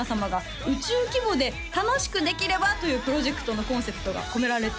「宇宙規模で楽しくできれば」というプロジェクトのコンセプトが込められている